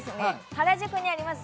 原宿にあります